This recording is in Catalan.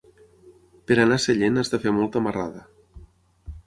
Per anar a Sellent has de fer molta marrada.